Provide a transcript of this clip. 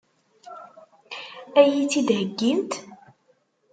Ad iyi-tt-id-heggint?